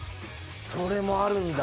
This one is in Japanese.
それもあるんだ。